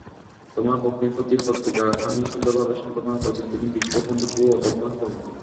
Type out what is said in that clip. তোমার ভগ্নীপতি পত্রিকাখানি সুন্দরভাবে সম্পাদনা করছেন, তিনি বিজ্ঞ পণ্ডিত ও অদম্য কর্মী।